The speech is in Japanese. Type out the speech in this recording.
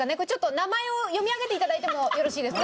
名前を読み上げて頂いてもよろしいですか？